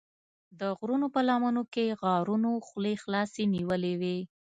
د غرونو په لمنو کې غارونو خولې خلاصې نیولې وې.